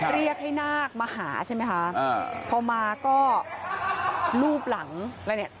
เรียกให้นาคมาหาใช่ไหมคะอ่าพอมาก็ลูบหลังแล้วเนี่ย